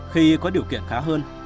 khi có điều kiện khá hơn